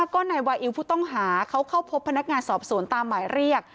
เขาเข้าพบพนักงานสอบสวนตามหมายเรียก